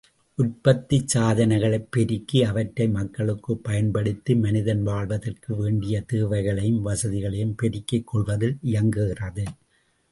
உற்பத்தி சாதனைகளைப் பெருக்கி அவற்றை மக்களுக்குப் பயன்படுத்தி மனிதன் வாழ்வதற்கு வேண்டிய தேவைகளையும் வசதிகளையும் பெருக்கிக்கொள்வதில் இயங்குகிறது.